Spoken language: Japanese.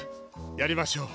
やりましょう。